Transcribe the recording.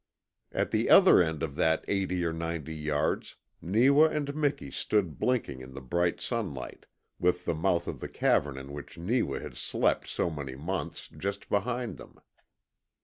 At the other end of that eighty or ninety yards Neewa and Miki stood blinking in the bright sunlight, with the mouth of the cavern in which Neewa had slept so many months just behind them.